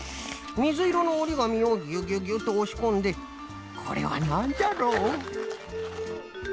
みずいろのおりがみをギュギュギュッとおしこんでこれはなんじゃろう？